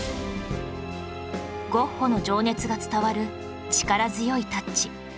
ゴッホの情熱が伝わる力強いタッチ